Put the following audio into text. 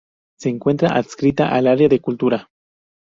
Se encuentra adscrita al Área de Cultura.